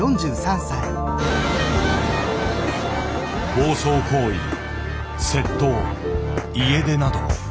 暴走行為窃盗家出など。